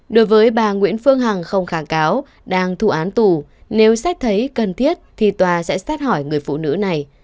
đối với bà nguyễn phương hằng không kháng cáo đang thu án tù nếu xét thấy cần thiết thì tòa sẽ xét hỏi người phụ nữ này